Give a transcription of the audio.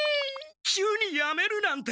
急にやめるなんて。